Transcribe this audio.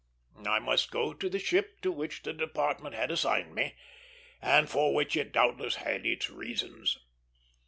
I must go to the ship to which the Department had assigned me, and for which it doubtless had its reasons.